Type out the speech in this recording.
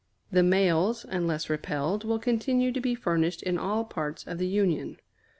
The mails, unless repelled, will continue to be furnished in all parts of the Union.